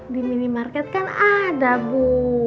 di minimarket kan ada bu